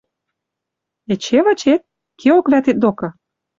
Эче вычет? Кеок вӓтет докы